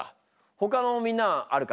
ほかのみんなあるか？